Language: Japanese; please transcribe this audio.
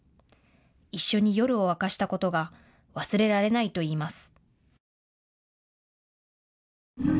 一緒に夜を明かしたことが忘れられないといいます。